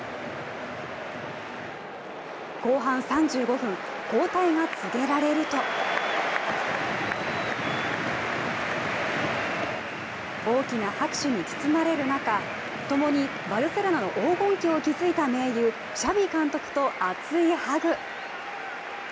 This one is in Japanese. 後半３５分、交代が告げられると大きな拍手に包まれる中共にバルセロナの黄金期を築いた盟友、シャビ監督と熱いハグ。